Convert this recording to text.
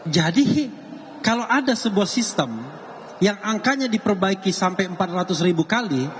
jadi kalau ada sebuah sistem yang angkanya diperbaiki sampai empat ratus kali